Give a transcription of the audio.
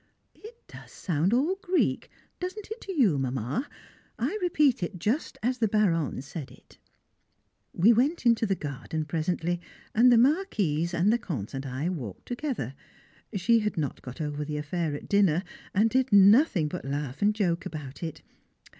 It does sound all Greek, doesn't it to you, Mamma? I repeat it just as the Baronne said it. [Sidenote: Etiquette for the Fiancés] We went into the garden presently, and the Marquise and the Comte and I walked together; she had not got over the affair at dinner, and did nothing but laugh and joke about it.